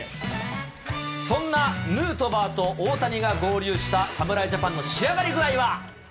そんなヌートバーと大谷が合流した侍ジャパンの仕上がり具合は。